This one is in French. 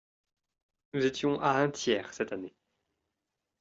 Nous étions à un tiers cette année.